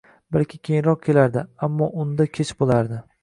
Balki, keyinroq kelardi, ammo unda kech bo‘lardi